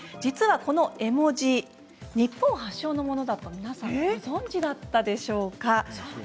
この絵文字が日本発祥のものだと皆さんご存じだったでしょうか。